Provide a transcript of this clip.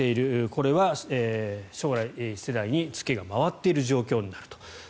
これは将来世代に付けが回っている状況になると。